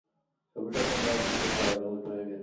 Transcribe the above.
ছবিটা কোনো এক বিশেষ কারণে উলটো হয়ে গেছে।